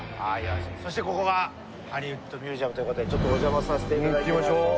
そしてここがハリウッド・ミュージアムということでお邪魔させていただきましょう。